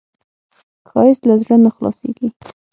ښایست له زړه نه خلاصېږي